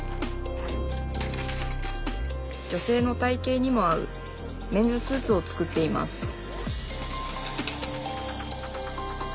女性の体形にも合うメンズスーツを作っています